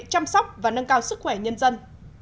chăm sóc và nâng cao sức khỏe nhân dân